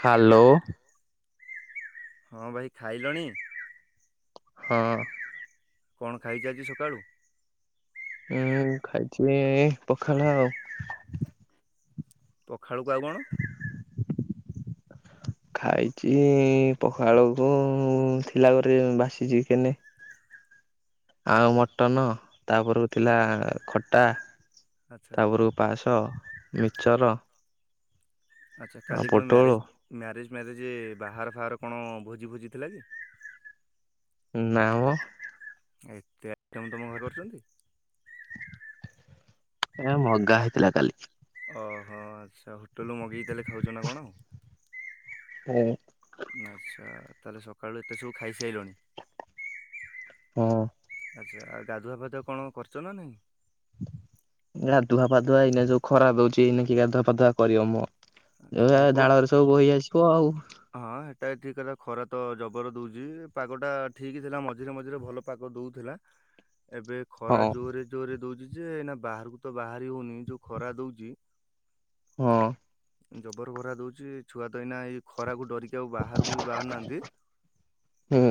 Hello. ହଁ ଭାଇ ଖାଇଲଣି? ହଁ କଣ ଖାଇଚ ଆଜି ସକାଳୁ? ଏଁ-ଏଁ-ଏଁ ଖାଇଛି-ଇ-ଇ ପଖାଳ ଆଉ। ପଖାଳକୁ ଆଉ କଣ? ଖାଇଚି-ଇ-ଇ ପଖାଳକୁ-ଉ-ଉ ଥିଲା ଘରେ ବାସି ଚିକେନେ। ଆଉ ଆ- ମଟନ ତାପରକୁ ଥିଲା ଖଟା। ଆଚ୍ଛା ତାପରକୁ ପାସ ମିଚର। ଆଚ୍ଛା ଆଉ କାଲି କଣ ପୋଟଳ ମ୍ୟାରେଜ୍, ମ୍ୟାରେଜ୍-ମ୍ୟାରେଜେ-ଏ-ଏ ବାହାରଘର ଫାହାଘର କଣ ଭୋଜି ଫୋଜି ଥିଲା କି? ନାଁ ମ। ଆ ଏତେ ଆଇଟମ୍ ତମ ଘରେ କରିଚନ୍ତି? ଏରା ମଗା ହେଇଥିଲା କାଲି। ଓହୋ ଆଚ୍ଛା ହୋଟେଲରୁ ମଗେଇ ତାହେଲେ ଖାଉଚ ନା କଣ? ହୁଁ। ଆଚ୍ଛା ତାହେଲେ ସକାଳୁ ଏତେ ସବୁ ଖାଇସାଇଲଣି? ହୁଁ। ଆଚ୍ଛା ଆଉ ଗାଧୁଆ ଫାଧୁଆ କଣ କରିଚ ନାଁ ନାଇଁ? ଗାଧୁଆ ଫାଧୁଆ ଏଇନା ଯୋଉ ଖରା ଦଉଚି ଏଇନା କିଏ ଗାଧୁଆ ଫାଧୁଆ କରିବ ମ। ଆଚ୍ଛା ଏ ଭାଇ କୋଉଠି ଝାଳରେ ସବୁ ବୋହି ଆସିବ ଆଉ। ହଁ ହେଟା ଠିକ୍ କଥା ଖରା ତ ଜବର ଦଉଚି ପାଗଟା ଠିକ୍ ଥିଲା ମଝିରେ ମଝିରେ ଭଲ ପାଗ ଦଉଥିଲା ଏବେ ଖରା ହଁ ଜୋରରେ ଜୋରରେ ଦଉଚି ଯେ ଏଇନା ବାହାରକୁ ତ ବାହାରି ହଉନି ଯୋଉ ଖରା ଦଉଚି। ହଁ। ଜବର ଖରା ଦଉଚି ଛୁଆ ତ ଏଇନା ଏଇ ଖରାକୁ ଡରି କି ଆଉ ବାହାରକୁ ବି ବାହାରୁ ନାହାନ୍ତି। ହୁଁ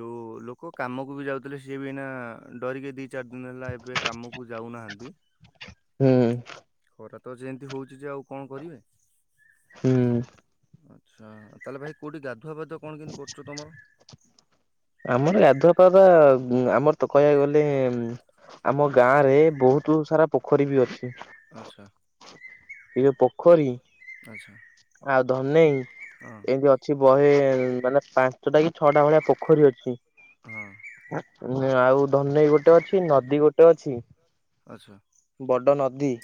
ଯୋଉ ଲୋକ କାମକୁ ବି ଯାଉଥିଲେ ସିଏ ବି ଏଇନା ଡରିକି ଦି ଚାରି ଦିନ ହେଲା ଏବେ କାମକୁ ଯାଉନାହାନ୍ତି। ହୁଁ ଖରା ତ ଯେମିତି ହଉଛି ଯେ, ଆଉ କଣ କରିବେ। ହୁଁ। ଆଚ୍ଛା, ତାହାଲେ ଭାଇ କୋଉଠି ଗାଧୁଆ ପାଧୁଆ କଣ କେମିତି କରୁଛ ତମର? ଆମର ଗାଧୁଆ ପାଧୁଆ ଆମର ତ କହିବାକୁ ଗଲେ, ଆମ ଗାଁଆରେ ବହୁତୁ ସାରା ପୋଖରୀ ବି ଅଛି। ଆଚ୍ଛା। ଇଏ ପୋଖରୀ ଆଚ୍ଛା ଆଉ ଧନେଇ। ହଁ। ଏମିତି ଅଛି ବହେ, ମାନେ ପାଞ୍ଚଟା କି ଛଅଟା ଭଳିଆ ପୋଖରୀ ଅଛି। ହଁ ଆଉ ଧନେଇ ଗୋଟେ ଅଛି, ନଦୀ ଗୋଟେ ଅଛି। ଆଚ୍ଛା। ବଡ଼ ନଦୀ।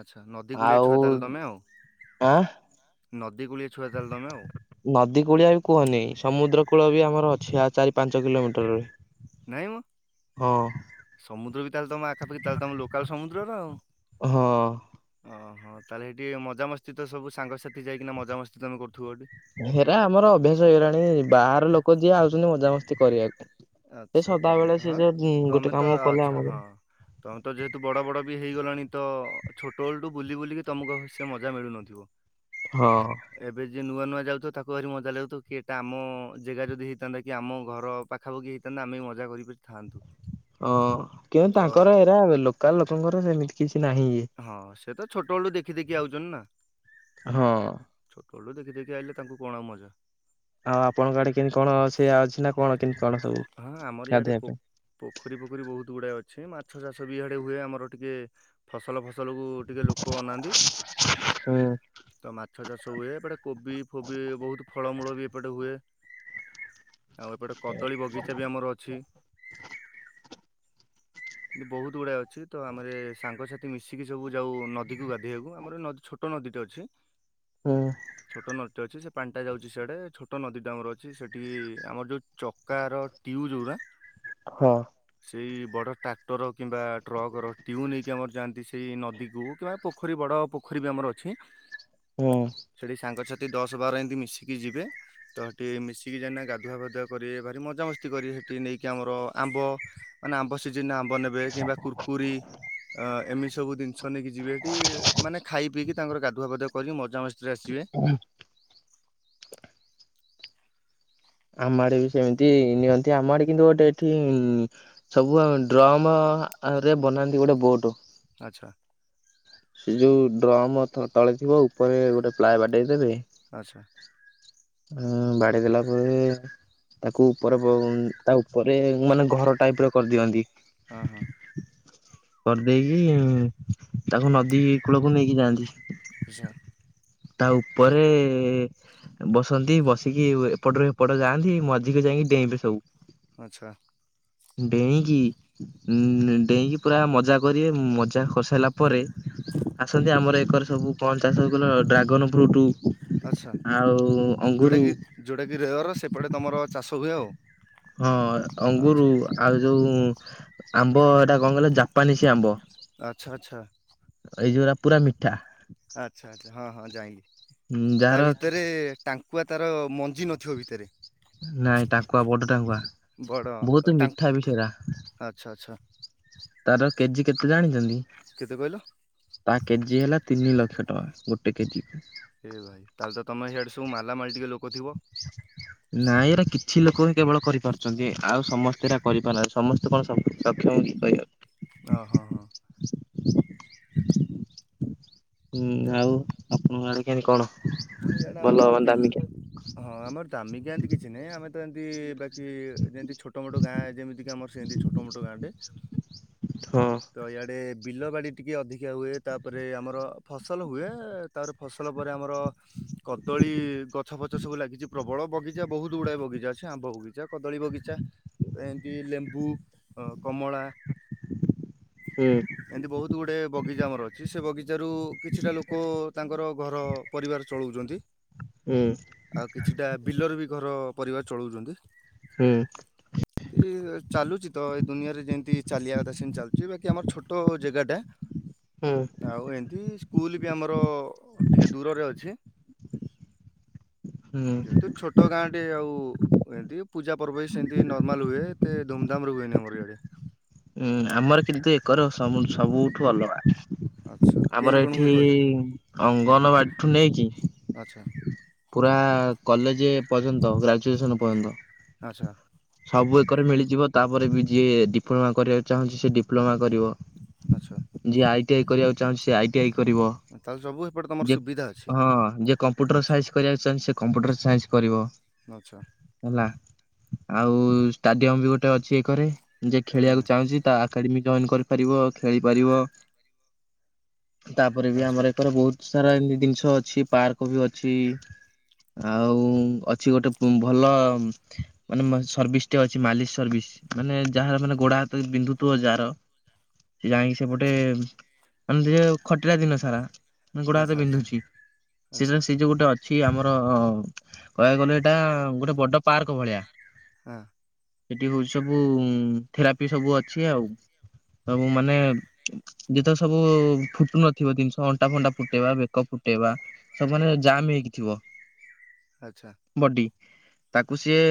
ଆଚ୍ଛା, ନଦୀ କୂଳିଆ ଆଉ ଛୁଆ ତାହେଲେ ତମେ ଆଉ। ଆଁ? ନଦୀ କୂଳିଏ ଛୁଆ ତାହେଲେ ତମେ ଆଉ। ନଦୀ କୂଳିଆ ବି କୁହନି, ସମୁଦ୍ର କୂଳ ବି ଆମର ଅଛି ଆଉ ଚାରି ପାଞ୍ଚ କିଲୋମିଟରରେ। ନାଇଁ ମ। ହଁ। ସମୁଦ୍ର ବି ତାହେଲେ ତମ ଆଖାପାଖି, ତାହେଲେ ତମେ ଲୋକାଲ ସମୁଦ୍ରରର ଆଉ। ହଁ। ଅ ହଁ, ତାହେଲେ ହେଇଠି ମଜାମସ୍ତି ତ ସବୁ ସାଙ୍ଗସାଥି ଯାଇକିନା ମଜାମସ୍ତି ତମେ କରୁଥିବ ହେଠି। ହେରା ଆମର ଅଭ୍ୟାସ ହେଇଗଲାଣି ବାହାର ଲୋକ ଯିଏ ଆଉଚନ୍ତି ମଜାମସ୍ତି କରିବାକୁ। ସେ ଆଚ୍ଛା ତମେ ସଦାବେଳେ ସିଏ ହଁ ସେ ଗୁଁ ତମେ ଗୋଟେ ତ କାମ କଲେ ଆଚ୍ଛା ଆମର ହଁ। ତମେ ତ ଯେହେତୁ ବଡ଼ ବଡ଼ ବି ହେଇଗଲାଣି ତ ଛୋଟ ବେଳଠୁ ବୁଲି ବୁଲିକି ତମକୁ ସେ ମଜା ମିଳୁନଥିବ? ହଁ। ଏବେ ଯିଏ ନୂଆ ନୂଆ ଯାଉଥୁବ ତାକୁ ଭାରି ମଜା ଲାଗୁଥିବ କି ଏଟା ଆମ ଅ ଅ ଜେଗା ଯଦି ହେଇଥାନ୍ତା କି ଆମ ଘର ପାଖ ଖାପାଖି ହେଇଥାନ୍ତା ଆମେ ମଜା କରିପାରିଥାନ୍ତୁ। ଅଁ କେଁ ତ ତାଙ୍କର ଏରା ଲୋକାଲ ଲୋକଙ୍କର ସେମିତି କିଛି ନାହିଁ। ଇଏ। ହଁ ସିଏ ତ ଛୋଟ ବଳୁ ଦେଖି ଦେଖି ଆଉଚନ୍ତି ନା। ହଁ ଛୋଟ ବଳୁଠୁ ଦେଖି ଦେଖି ଆଇଲେ ତାଙ୍କୁ କଣ ଆଉ ମଜା? ଆଉ ଆପଣଙ୍କ ଆଡ଼େ କେମତି କଣ ସେୟା ଅଛି ନାସ କଣ କେମିତି କଣ ସବୁ ହଁ ଆମର ଇଆଡ଼େ ଗାଧେଇବା ପୋ ପାଇଁ? ପୋଖରୀ ଫୋଖରୀ ବହୁତୁ ଗୁଡାଏ ଅଛି ମାଛ ଚାଷ ବି ଇଆଡ଼େ ହୁଏ ଆମର ଟିକେ ଫସଲ ଫସଲକୁୁ ଟିକେ ଲୋକ ଅନାନ୍ତି। ହୁଁ ତ ମାଛ ଚାଷ ହୁଏ ଏପଟେ କୋବି ଫୋବି ବହୁତୁ ଫଳମୂଳ ବି ଏପଟେ ହୁଏ। ଆଉ ଏପଟେ କଦଳୀ ବଗିଚା ବି ଆମର ଅଛି। କିନ୍ତୁ ବହୁତୁ ଗୁଡ଼ାଏ ଅଛି ତ ଆମର ଏ ସାଙ୍ଗସାଥି ମିଶିକି ସବୁ ଯାଉ ନଦୀକୁ ଗାଧେଇବାକୁ ଆମର ନଦୀ ଛୋଟ ଟୋ ନଦୀ ଟେ ଅଛି। ହୁଁ। ଛୋଟ ନଦୀ ଟେ ଅଛି ସେ ପାଣ ଟା ଯାଉଚି ସିଆଡ଼େ ଛୋଟ ନଦୀ ଟା ଆମର ଅଛି ସେଠି ଆମର ଯୋଉ ଚକାର ଟିଉ ଯୋଉରା ହଁ। ସେଇ ବଡ଼ ଟାକ୍ ଟର କିମ୍ବା ଟ୍ରକର ଟିୟୁ ନେଇକି ଆମର ଯାଆନ୍ତି ସେଇ ନଦୀକୁ କିମ୍ବା ପୋଖରୀ ବଡ଼ ପୋଖରୀ ବି ଆମର ଅଛି। ହୁଁଅଁ ସେଠି ସାଙ୍ଗସାଥି ଦଶ ବାର ଏନ୍ତି ମିଶିକି ଯିବେ। ତ ହେଠି ମିଶିକି ଯାଇକିନା ଗାଧୁଆ ପାଧୁଆ କରି ଭାରି ମଜାମସ୍ତି କରି ହେଠି ନେଇକି ଆମର ଆମ୍ବ ମାନେ ଆମ୍ବ ସିଜନରେ ଆମ୍ ବେ କିମ୍ବା କୁରକୁରି ଆ ଏମିତି ସବୁ ଜିନଷ ନେଇକି ଯିବେ ହେଠି ଇ ଇ ମାନେ ଖାଇ ପିଇକି ତାଙ୍କର ଗାଧୁଆ ପାଧୁଆ କରିକି ମଜାମସ୍ତିରେ ଆସିବେ। ହୁଁ ଆମ ଆଡ଼େ ବି ସେମିତି ନିଅନ୍ତି ଆମ ଆଡ଼େ କିନ୍ତୁ ଗୋଟେ ଏଠି ଇଁ ଇଁ ସବୁ ଆମେ ଡ୍ରମ ଅ ଅ ରେ ବନାନ୍ତି ଗୋଟେ ବୋଟୋ। ଆଚ୍ଛା। ସେ ଯୋଉ ଡ୍ରମ୍ ତ ତଳେ ଥିବ ଉପରେ ଗୋଟେ ପ୍ଲାଏ ବାଡ଼େଇ ଦେବେ ଆଚ୍ଛା। ହୁଁ ବାଡ଼େଇଦେଲା ପରେ ତାକୁ ଉପର ବ ଅଁ ତା ଉପରେ ମାନେ ଘର ଟାଇପ୍ ର କରିଦିଅନ୍ତି। ହଁ ହଁ। କରଦେଇକି ତାକୁ ନଦୀ କୂଳକୁ ନେଇକି ଯାଆନ୍ତି। ଆଚ୍ଛା। ତା ଉପରେ ଏ ଏ ଏ ବସନ୍ତି ବସିକି ଇ ୱେ ଏପଟରୁ ହେପଟ ଯାଆନ୍ତି ମଝିକୁ ଯାଇଁକି ଡେ଼ଁଇବେ ସବୁ। ଆଚ୍ଛା ଡ଼େଇଁକି ଉଁ ଉଁ ଡ଼େଇଁକି ପୁରା ମଜା କରିବେ ମଜା କରସାଇଲା ପରେ ଆସନ୍ତି ଆମର ଏ କରେ ସବୁ କଣ ଚାଷ କହିଲ ଡ୍ରା ଗନ ଫ୍ରୁଟ ଆଚ୍ଛା ଆଉ ଅଙ୍ଗୁରୁ। ଯୋଉଟାକି ଯୋଉଟାକି ରେୟର୍ ସେପଟ ତମର ଚାଷ ହୁଏ ଆଉ। ହଁ ଅଙ୍ଗୁରୁ ଆଚ୍ଛା ଆଉ ଯୋଉ ଆମ୍ବ ଏଟା କଣ କହିଲ ଜାପାନିସ୍ ଆମ୍ବ। ଆଚ୍ଛା ଆଚ୍ଛା ଏଇ ଯୋଉରା ପୁରା ମିଠା। ଆଚ୍ଛା ଆଚ୍ଛା ହଁ ହଁ ଜାଇଁଲିି ତା ଯାହାର ଭିତରେ ଟାଙ୍କୁଆ ତାର ମଞ୍ଜି ନଥିବ ଭିତରେ। ନାଇଁ ଟାଙ୍କୁଆ ବଡ ଟାଙ୍କୁଆ ବଡ ବୋହୁତ ମିଠା ବି ହେରା। ଚ୍ଛା। ତାର କେଜି କେତେ ଜାଣିଛନ୍ତି? କେତେ କହିଲ? ତା କେଜି ହେଲା ତିନି ଲକ୍ଷ ଟଙ୍କା ଗୋଟେ କେଜି କୁ। ହେ ଭାଇ ତାହେଲେ ତମେ ହିଆଡେ ସବୁ ମାଲା ମାଲ ଟିକେ ଲୋକ ଥିବ। ନାଇଁ ଏରା କିଛି ଲୋକ ହିଁ କେବଳ କରିପାରୁଛନ୍ତି ଆଉ ସମସ୍ତେ ଏରା କରି ପାରୁନାହାନ୍ତି ସମସ୍ତେ କଣ ସବୁ ସକ୍ଷମ [unintelligible] ଅ ହଁ ହଁ। ହୁଁ ତାହେଲେ ତ ଆଉ ଆପଣଙ୍କ ଆଡ଼େ କେନ୍ତି କଣ? ହଁ ଇଆଡ଼େ ଭଲ ଆମର ମାନେ ବିଲ ଦାମିକିଆ? ହଁ ଆମର ଦାମିକିଆ ହେନ୍ତି କିଛି ନାହିଁ ଆମେ ତ ଏମିତି ବାକି ଯେମିତି ଛୋଟ ମୋଟ ଗାଁ ଯେମିତି କି ଆମର ସେନ୍ତି ଛୋ ଟ ମୋଟ ଗାଁ ଟେ। ଥ। ତ ଇଆଡ଼େ ବିଲ ବାଡ଼ି ଟିକେ ଅଧିକା ହୁଏ ତାପରେ ଆମର ଫସଲ ହୁଏ ତାର ଫସଲ ପରେ ଆମର କଦଳୀ ଗଛ ଫଛ ସବୁ ଲାଗିଛି ପ୍ରବଳ ବଗି ଜା ବୋହୁତ ଗୁଡ଼ାଏ ବଗିଚା ଅଛି ଆମ୍ବ ବଗିଚା କଦଳୀ ବଗିଚା। ତ ହେନ୍ତି ଲେମ୍ବୁ ଅ କମଳା। ହୁଁ। ଏନ୍ତି ବୋହୁତ। ତୁ ଗୁଡ଼େ ବଗିଚା ଆମର ଅଛି ସେ ବଗିଚାରୁ କିଛିଟା ଲୋକ ତାଙ୍କର ଘର ପରିବାର ଚଳଉଛନ୍ତି। ହୁଁ। ଆଉ କିଛିଟା ବିଲରେ ବି ଘର ପରିବାର ଚଳଉଛନ୍ତି। ହୁଁ। ଏନ୍ତି ଚାଲୁଛି ତ ଏ ଦୁନିଆରେ ଯେନ୍ତି ଚାଲିବା କଥା ସେମିତି ଚାଲ୍ ଚି ବାକିି ଆମର ଛୋଟ ଜାଗାଟା। ହୁଁ। ଆଉ ହେନ୍ତି ସ୍କୁଲ ବି ଆମର ଟିକେ ଦୂରରେ ଅଛି। ହୁଁ। ଯେହେତୁ ଛୋ ଟ ଗାଁ ଟି ଆଉ ଏନ୍ତି ପୂଜା ପର୍ବ ବି ସେମିତି ନର୍ମାଲ ହୁଏ ଏତେ ଧୁମଧାମ ରେ ହୁଏନି ଆମର ଇଆଡ଼େ। ହୁଁ ଆମର କିନ୍ତୁ ଏକର ସବୁ -ସବୁଠୁ ଅଲଗା। ଆଚ୍ଛା କେମିତି ଆମର କଣ ହୁଏ ଏଠି କହିଲ? ଅଙ୍ଗନବାଡ଼ି ଠୁ ନେଇକି ଆଚ୍ଛା। ପୁରା କଲେଜ ପର୍ଯ୍ୟନ୍ତ ଗ୍ରାଜୁଏସନ ପର୍ଯ୍ୟନ୍ତ। ଆଚ୍ଛା। ସବୁ ଏକରେ ମିଳିଯିବ ତାପରେ ବି ଯିଏ ଡିପ୍ଲୋମା କରିବାକୁ ଚାହୁଁଛି ସେ ଡି ପ୍ଲୋମା କରିବ ଆଚ୍ଛା ଯିଏ ଆଇଟି ଆଇ କରିବାକୁ ଚାହୁଁଛି ସେ ଆଇଟି ଆଇ କରିବ। ତାହେଲେ ସବୁ ଏପଟେ ତମର ଯେ ସୁବିଧା ଅଛି। ହଁ ଯେ କମ୍ପ୍ୟୁଟର ଆଚ୍ଛା ସାଇନ୍ସ କରିବାକୁଛନ୍ତି ସେ କମ୍ପୁଟର ସାଇନ୍ସ କରିବ। ଆଚ୍ଛା। ହେଲା ଆଉ ଷ୍ଟାଡିୟମ ବି ଗୋଟେ ଅଛି ଏକରେ ଯେ ହୁଁ ଖେଳିବାକୁ ଚାହୁଁଚି ତା ଆକାଡେମିକ ଜଏନ କରିପାରିବ ଖେଳିପାରିବ। ତାପରେ ବି ଆଚ୍ଛା ଆମର ଏକର ବୋହୁତ ସାରା ଏମିତି ଜିନିଷ ଅଛି ପାର୍କ ବି ଅଛି। ଆଉ ଅଛି ଗୋଟେ ଭଲ ମାନେ ସର୍ଭିସଟେ ଅଛି ମାଲିଶ ସର୍ଭିସ୍। ମାନେ ଯାହାର ମାନେ ଗୋଡ ହାତ ବିନ୍ଧୁଥିବ ଯାହାର ସେ ଯାଇଁକି ସେପଟେ ଆଚ୍ଛା ମାନେ ଖଟିଲା ଦିନ ସାରା ମାନେ ଗୋଡ ହାତ ଆଚ୍ଛା ଆଚ୍ଛା ବିନ୍ଧୁଛି ଆଚ୍ଛା ସେ ସେଇ ଯୋଉ ଗୋଟେ ଅ ଏଠି ଆମର କହିବାକୁ ଗଲେ ଏଟା ଗୋଟେ ବଡ ପାର୍କ ଭଳିଆ। ହାଁ। ଏଠି ହୋଉଛି ସବୁ ଥେରାପି ସବୁ ଅଛି ଆଉ। ସବୁ ମାନେ ଯେତବଳେ ସବୁ ଫୁଟୁନଥିବ ଜିନିଷ ଅଣ୍ଟା ଫଣ୍ଟା ଫୁଟେଇବା ବେକ ଫୁଟେଇବା ସବୁ ମାନେ ଜାମ ହେଇକି ଥିବ। ଆଚ୍ଛା। ବଡି ତାକୁ ସିଏ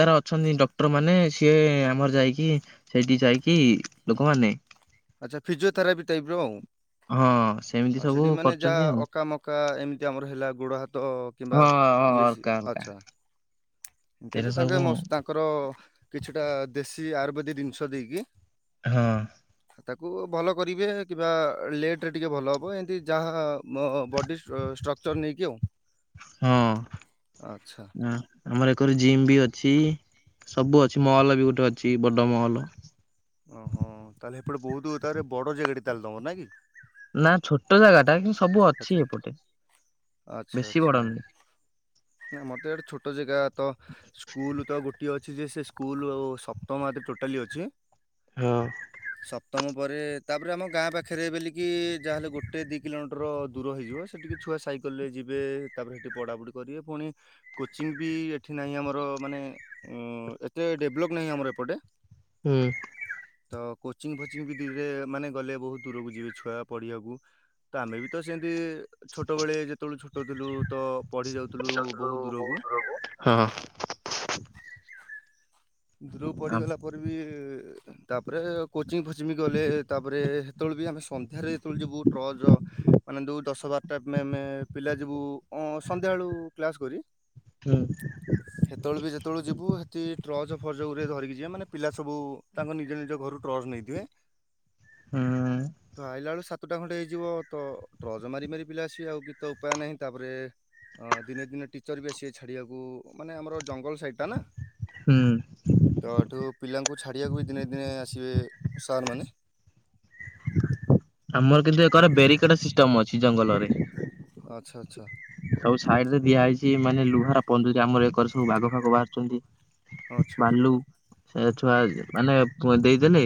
ତାର ଅଛନ୍ତି ଡକ୍ଟର ମାନେ ସିଏ ଆମର ଯାଇକି ସେଇଠି ଯାଇକି ଲୋକମାନେ ଆଚ୍ଛା ଫିଜିଓଥେରାପି ଟାଇପର। ହଁ ସେମିତି ଆଉ ସବୁ ସେଠି ମାନେ ଯାହା କରୁଛନ୍ତି ଆଉ ଅକା ମ କା ଏମିତି ଆମର ହେଲା ଗୋଡ ହାତ କିମ୍ବା ହଁ ଇଏ ଅର୍କା ଶିରା ଅର୍କା ଆଚ୍ଛା। ଏମିତି ଏରା ହେଲେ ସବୁ ତାଙ୍କେ ମ ତାଙ୍କର କିଛିଟା ଦେଶୀ ଆୟୁର୍ବେଦିକ ଜିନିଷ ଦେଇକି ହଁ। ତାକୁ ଭଲ କରିବେ କିମ୍ବା ଲେଟରେ ଟିକେ ଭଲ ହବ। ଏମିତି ଯାହା ମୋ ବଡି ଷ୍ଟକ୍ଚ ଚର ନେଇକି ଆଉ। ହଁ ଆଚ୍ଛା ନାଁ। ଆମର ଏକରେ ଜିମ୍ ବି ଅଛି ସବୁ ଅଛି ମଲ ବି ଗୋଟେ ଅଛି ବଡ ମହଲ। ଅହଁ ତାହେଲେ ହେପଟେ ବୋହୁତ ତାପରେ ବଡ ଜାଗା ଟେ ତାହେଲେ ତମର ନାଇଁ କି? ନା ଛୋଟ ଜାଗାଟା କିନ୍ତୁ ସବୁ ଆଚ୍ଛା ଅଛି ଏପଟେ। ବେଶୀ ବଡନୁହେଁ। ନାଁ ମତେ ଏଟେ ଛୋଟ ଜାଗା ତ ସ୍କୁଲ ତ ଗୋଟିଏ ଅ ଛି ଯେ ସେ ସ୍କୁଲ ସପ୍ତମରେ ଟୋଟାଲି ଅଛି। ହଁ। ସପ୍ତମ ପରେ ତାପରେ ଆମ ଗାଁ ପାଖରେ ବେଲିକି ଯାହାହେଲେ ଗୋଟେ ଦି କିଲୋମିଟର ଦୂର ହେଇଯିବ। ସେଠିକି ଛୁଆ ସାଇକେଲରେ ଯିବେ। ତାପରେ ସେଠି ପଡାପଡି କରିବେ ପୁଣି କୋଚିଂ ବି ଏଠି ନାହିଁ ଆମର ମାନେ ଉଁ ଏତେ ଡେଭଲପ୍ ନାହିଁ ଆମର ଏପଟେ। ହୁଁ। ତ କୋଚିଂ ଫୋଚିଂ ବି ଧିରେ ମାନେ ଗଲେ ବହୁତ୍ ଦୂରକୁ ଯିବେ ଛୁଆ ପଢିବାକୁ। ତ ଆମେ ବି ତ ସେମିତି ଛୋଟବେଳେ ଯେତେବେଳେ ଛୋଟ ଥିଲୁ ତ ପଢି ଯାଉଥିଲୁ ବହୁତ୍ ଦୂରକୁ। ବହୁତ ହଁ। ଦୁରକୁ ପଡିଗଲା ପରେ ବି ତାପରେ କୋଚିଂ ଫୋଚିଂ ଗଲେ ତାପରେ ହେତେବେଳେ ବି ଆମେ ସନ୍ଧ୍ୟାରେ ଯେତେବେଳେ ଯିବୁ ଟ୍ରଚ ମାନେ ଯୋଉ ଦଶ ବାରଟା ମେ ମେ ପିଲା ଯିବୁ ଉଁ ସନ୍ଧ୍ୟାବେଳୁ କ୍ଲାସ କରି ହୁଁ। ହେତେବେଳେ ବି ଯେତେବେଳୁ ଯିବୁ ହେଟି ଟ୍ରଚ ଫୋଯୋଗୁରେ ଧରିକି ଯିବେ। ମାନେ ପିଲା ସବୁ ତାଙ୍କ ନିଜ ନିଜ ଘରୁ ଟର୍ଚ ନେଇଥିବେ। ହୁଁ। ତ ଆଇଲା ବେଳୁ ସାତଟା ଖଣ୍ଡେ ହେଇଯିବ ତ ଟର୍ଚ୍ଚ ମାରି ମାରି ପିଲା ଆସିବେ ଆଉ କିଛିତ ଉପାୟ ନାହିଁ ତାପରେ ଅ ଦିନେ ଦିନେ ଟିଚର ବି ଆସିବେ ଛାଡିବାକୁ ମାନେ ଆମର ଜଙ୍ଗଲ ସାଇଡ ଟା ନା ହୁଁ। ତ ଏଠୁ ପିଲାଙ୍କୁ ଛାଡ଼ିବାକୁ ବି ଦିନେ ଦିନେ ଆସିବେ ସାରମାନେ। ଆମର କିନ୍ତୁ ଏକର ବେରିକେଡ ସିଷ୍ଟମ ଅଛି ଜଙ୍ଗଲରେ। ଆଛା ଆଛା। ସବୁ ସାଇଡ ରେ ଦିଆହଇଛି ମାନେ ଲୁହାର ପଞ୍ଜୁରୀ ଆମର ଏକରେ ସବୁ ବାଘ ଫାଗ ବାହାରୁଛନ୍ତି। ଆଚ୍ଛା ବାଲୁ ସେ ଛୁଆ ମାନେ ଦେଇଦେଲେ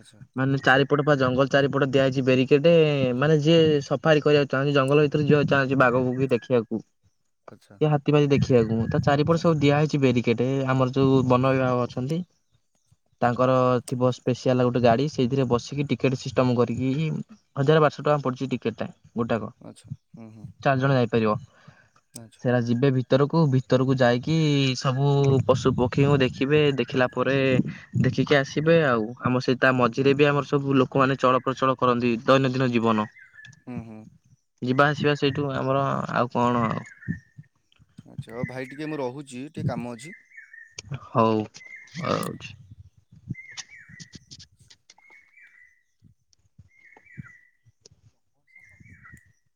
ଆଚ୍ଛା। ମାନେ ଚାରିପଟ ବା ଜଙ୍ଗଲ ଚାରିପଟ ଦିଆଯାଇଛି ବାରିକେଡ ମାନେ ଯିଏ ସଫାରୀ କରିବା ଚାହୁଁଚି ଜଙ୍ଗଲ ଭିତରେ ଯିବାକୁ ଚାହୁଁଛି ବାଘ ବୁଘି ଦେଖିବାକୁ। ଆଚ୍ଛା। କି ହାତୀ ଫାତି ଦେଖିବାକୁ ତା ଚାରିପଟେ ସବୁ ଆଚ୍ଛା ଦିଆହେଇଛି ବେରିକେଡ ଆମର ଯୋଉ ହଁ ହଁ। ବନ ବିଭାଗ ଅଛନ୍ତି ତାଙ୍କର ଥିବ ସ୍ପେଶଆଲ ଗୋଟେ ଗାଡି ସେଇଥିରେ ବସିକି ଟିକେଟ ସିଷ୍ଟମ କରିକିହିଁ ହଜାର ବାରଶହ ଟଙ୍କା ପଡିଛି ଟିକେଟ୍ ଟା ଗୋଟାକ। ଆଛା ହୁଁ ହୁଁ। ଚାରି ଜଣ ଯାଇପାରିବ ଆଚ୍ଛା ସେରା ଯିବେ ଭି ଭିତରକୁ ଭିତରକୁ ଯାଇକି ସବୁ ପଶୁ ପକ୍ଷୀଙ୍କୁ ଦେଖିବେ ଦେଖିଲା ପରେ ଦେଖିକି ଆସିବେ ଆଉ। ଆମର ସେଇ ତା ମଝିରେ ବି ଆମର ସବୁ ଲୋକ ଲୋକମାନେ ଚଳ ପ୍ରଚଳ କରନ୍ତି ଦୈନନ୍ଦିନ ଜୀବନ। ହୁଁ ହୁଁ ଯିବା ଆସିବା ସେଇଠୁ ଆମର ଆଉ କଣ ଆଚ୍ଛା ହଉ ଭାଇ ଟିକେ ମୁଁ ରହୁଛି ଟିକେ କାମ ଅଛି ହଉ ହଉ। ଆଛି [inaudible] [inaudible]